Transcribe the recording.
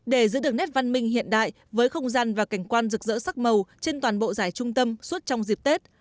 để giữ được nét văn minh hiện đại với không gian và cảnh quan rực rỡ sắc màu trên toàn bộ giải trung tâm suốt trong dịp tết